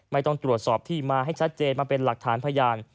ไม่ต้องตรวจสอบที่มาให้ชัดเจนมาเป็นหลักฐานพยาน